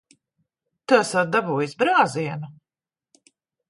Tu esot dabūjis brāzienu.